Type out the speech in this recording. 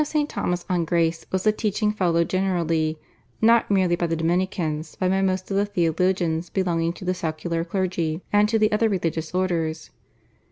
The teaching of St. Thomas on Grace was the teaching followed generally, not merely by the Dominicans, but by most of the theologians belonging to the secular clergy and to the other religious orders.